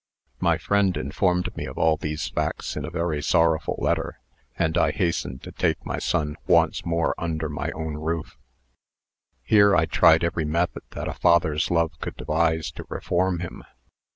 "My friend informed me of all these facts in a very sorrowful letter, and I hastened to take my son once more under my own roof. "Here I tried every method that a father's love could devise to reform him.